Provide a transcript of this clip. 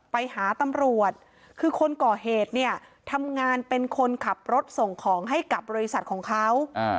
ไปหาตำรวจคือคนก่อเหตุเนี่ยทำงานเป็นคนขับรถส่งของให้กับบริษัทของเขา